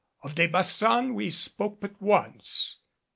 Of De Baçan we spoke but once.